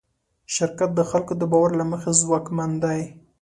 شرکت د خلکو د باور له مخې ځواکمن دی.